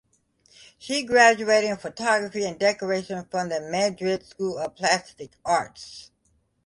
She graduated in Photography and Decoration from the Madrid School of Plastic Arts.